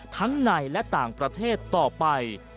ทั้งในและต่างประเทศต่อไป